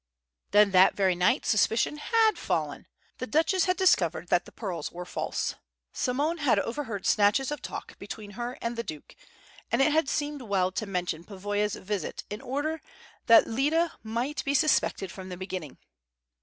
Then, that very night, suspicion had fallen! The Duchess had discovered that the pearls were false. Simone had overheard snatches of talk between her and the Duke, and it had seemed well to mention Pavoya's visit in order that Lyda might be suspected from the beginning.